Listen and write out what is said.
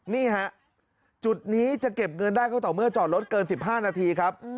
นี่ฮะจุดนี้จะเก็บเงินได้ก็ต่อเมื่อจอดรถเกิน๑๕นาทีครับ